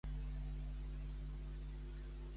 L'esternbèrgia és un estel?